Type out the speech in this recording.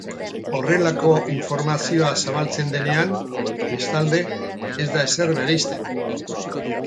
Horrelako informazioa zabaltzen denean, bestalde, ez da ezer bereizten.